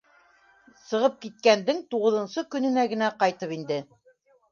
Сығып киткәндең туғыҙынсы көнөнә генә ҡайтып инде